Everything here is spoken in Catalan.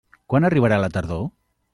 Quan arribarà la tardor?